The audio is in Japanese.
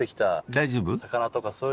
大丈夫？